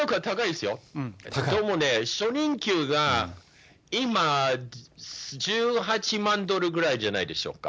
でもね、初任給が今、１８万ドルぐらいじゃないでしょうか。